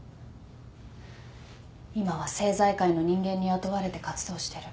今は政財界の人間に雇われて活動してる。